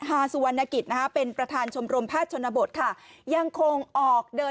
ฮาสุวรรณกิจนะคะเป็นประธานชมรมแพทย์ชนบทค่ะยังคงออกเดิน